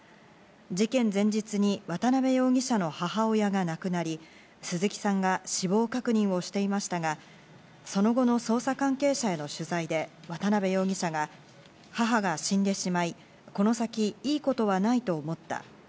事件前日に渡辺容疑者の母親が亡くなり、鈴木さんが死亡確認をしていましたが、その後の捜査関係者への取材で渡辺容疑者が、母が死んでしまい、この先、いいことはないと思った。